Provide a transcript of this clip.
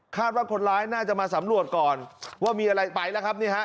ว่าคนร้ายน่าจะมาสำรวจก่อนว่ามีอะไรไปแล้วครับนี่ฮะ